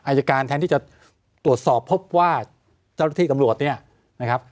อายการแทนที่จะตรวจสอบพบว่าเจ้าหน้าที่ตำรวจเนี่ยนะครับ